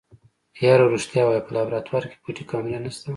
يره رښتيا ووايه په لابراتوار کې پټې کمرې نشته.